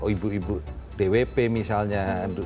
ibu ibu dwp misalnya